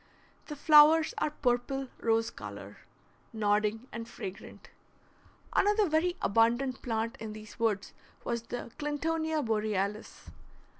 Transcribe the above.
The flowers are purple rose color, nodding and fragrant. Another very abundant plant in these woods was the Clintonia borealis.